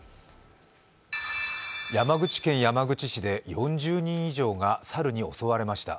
山口県山口市で４０人以上が猿に襲われました。